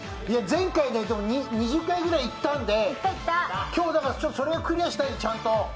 前回、２０回くらいいったんで今日だから、それをクリアしたい、ちゃんと。